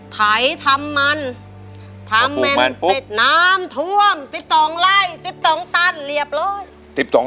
ไถทำมันทำแมนเป็ดน้ำท่วม๑๒ไร่๑๒ตันเรียบร้อย